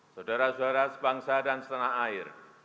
saudara saudara sebangsa dan setanah air